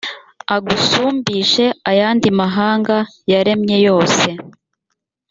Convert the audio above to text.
agusumbishe ayandi mahanga yaremye yose,